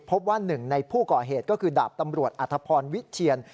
พบว่าหนึ่งในผู้ก่อเหตุก็คือดาบตำรวจอัธพรวิเชียน